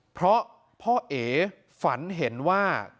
เพราะพ่อเอ๋ฝันเห็นว่า